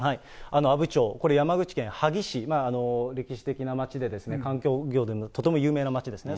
阿武町、これ山口県萩市、歴史的な町で、観光業でもとても有名な町ですね。